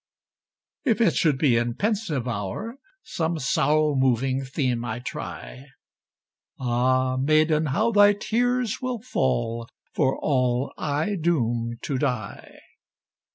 If it should be in pensive hour Some sorrow moving theme I try, Ah, maiden, how thy tears will fall, For all I doom to die!